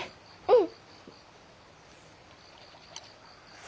うん！